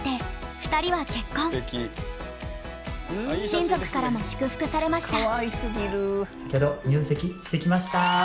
親族からも祝福されました。